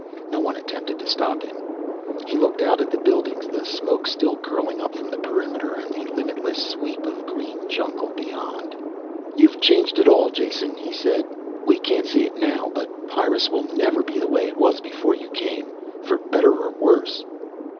No one attempted to stop him. He looked out at the buildings, the smoke still curling up from the perimeter, and the limitless sweep of green jungle beyond. "You've changed it all, Jason," he said. "We can't see it now, but Pyrrus will never be the way it was before you came. For better or worse."